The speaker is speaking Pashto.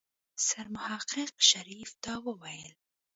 سرمحقق شريف دا وويل.